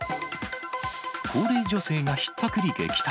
高齢女性がひったくり撃退。